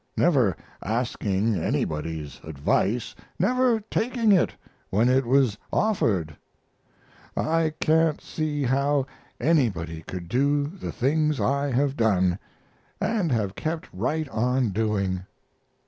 Never asking anybody's advice never taking it when it was offered. I can't see how anybody could do the things I have done and have kept right on doing."